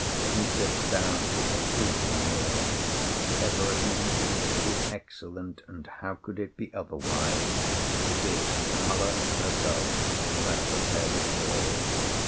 He sits down to a frugal meal, but everything he eats is excellent; and how could it be otherwise? It is Pamela herself who has prepared it all.